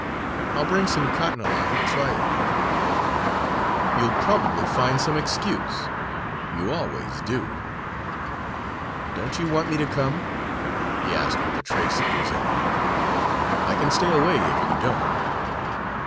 I'll bring some cotton along to try it with." "You'll probably find some excuse you always do." "Don't you want me to come?" he asked with a trace of resentment. "I can stay away, if you don't."